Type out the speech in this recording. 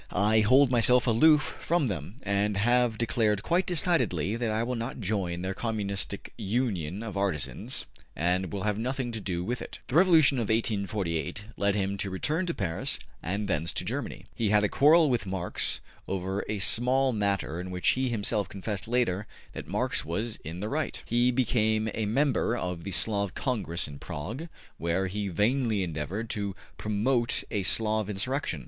I hold myself aloof from them, and have declared quite decidedly that I will not join their communistic union of artisans, and will have nothing to do with it.'' The Revolution of 1848 led him to return to Paris and thence to Germany. He had a quarrel with Marx over a matter in which he himself confessed later that Marx was in the right. He became a member of the Slav Congress in Prague, where he vainly endeavored to promote a Slav insurrection.